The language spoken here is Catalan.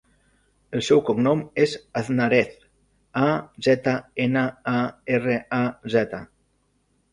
El seu cognom és Aznarez: a, zeta, ena, a, erra, e, zeta.